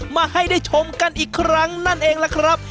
มาให้ได้ชมกันอีกครั้งนั่นเองล่ะครับ